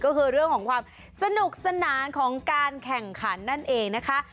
ก็คือเรื่องของความสนุกสนานของการแข่งขันนั่นเองนะคะ